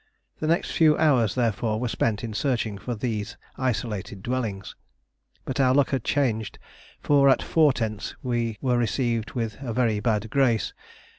The next few hours, therefore, were spent in searching for these isolated dwellings. But our luck had changed, for at four tents we were received with a very bad grace.